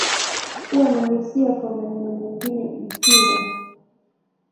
Kuwa na hisia kwa maneno mengine Ikiwa